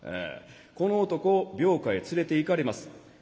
この男病家へ連れていかれます。